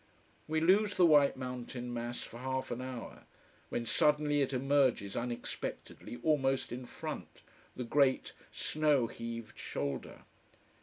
We lose the white mountain mass for half an hour: when suddenly it emerges unexpectedly almost in front, the great, snow heaved shoulder.